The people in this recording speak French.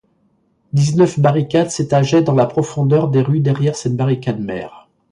Dix-neuf barricades s'étageaient dans la profondeur des rues derrière cette barricade mère.